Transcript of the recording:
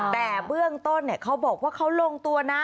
แต่เบื้องต้นเขาบอกว่าเขาลงตัวนะ